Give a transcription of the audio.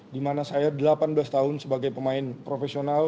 dimana saya delapan belas tahun sebagai pemain profesional